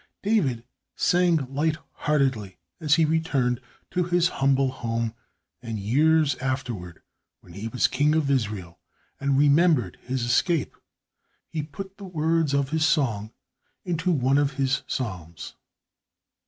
David sang light heartedly as he returned to his humble home and years afterward, when he was king of Israel and remembered his escape, he put the words of his song into one of his Psalms.